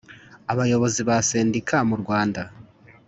Abayobozi ba Sendika mu rwanda